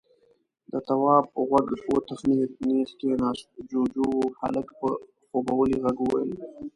د تواب غوږ وتخنېد، نېغ کېناست. جُوجُو و. هلک په خوبولي غږ وويل: